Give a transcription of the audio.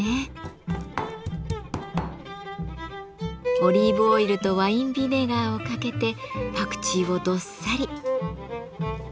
オリーブオイルとワインビネガーをかけてパクチーをどっさり。